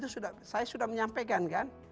saya sudah menyampaikan kan